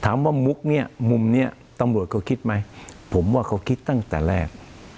มุกเนี่ยมุมนี้ตำรวจเขาคิดไหมผมว่าเขาคิดตั้งแต่แรก